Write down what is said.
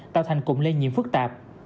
tạo thành cụm lây nhiễm phức tạp